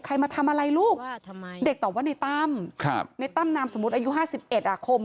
ใครมาทำอะไรลูกเด็กตอบว่าในตั้มครับในตั้มนามสมมุติอายุ๕๑อาคม